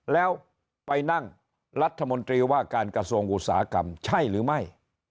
แล้วไปนั่งรัฐมนตรีว่าการกระทรวงอุตสาหกรรมใช่หรือไม่